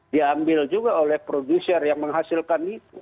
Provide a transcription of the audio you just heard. diambil juga oleh producer yang menghasilkan itu